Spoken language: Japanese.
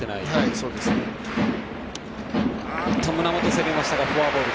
胸元、攻めましたがフォアボール。